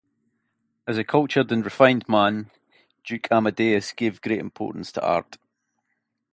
As a cultured and refined man, Duke Amadeus gave great importance to art.